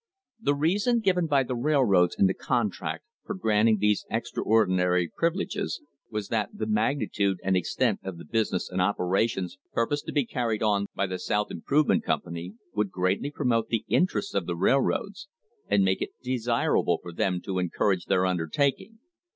* The reason given by the railroads in the contract for grant ing these extraordinary privileges was that the "magnitude and extent of the business and operations" purposed to be car ried on by the South Improvement Company would greatly promote the interest of the railroads and make it desirable for them to encourage their undertaking.